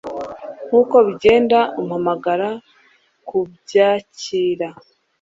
nkuko bigenda, umpamagara kubyakira